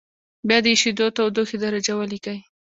بیا د اېشېدو تودوخې درجه ولیکئ.